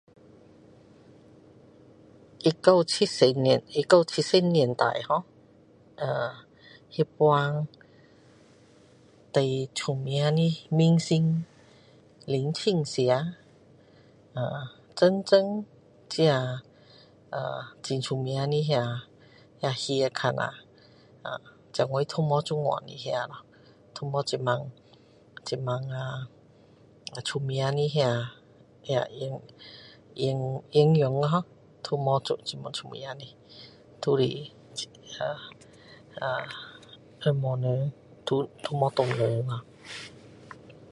一九七十年，一九七十年代【ho】呃那时最出名的明星林青霞，啊，真真，这呃很出名的那戏看下，现今都没这样的，都没这么这么出名的那演演演员【ho】，都没这么出名的，都是啊啊红毛人，都没唐人啊，